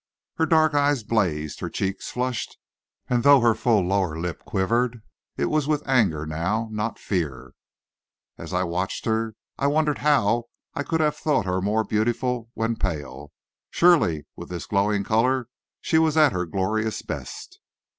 Her dark eyes blazed, her cheeks flushed, and though her full lower lip quivered it was with anger now, not fear. As I watched her, I wondered how I could have thought her more beautiful when pale. Surely with this glowing color she was at her glorious best.